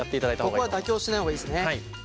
ここは妥協しない方がいいですね。